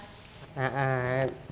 đây là công đoạn trộn bột